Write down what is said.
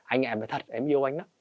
anh em là thật em yêu anh lắm